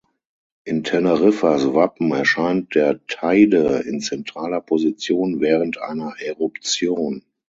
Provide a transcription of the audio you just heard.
In Teneriffas Wappen erscheint der Teide in zentraler Position während einer Eruption.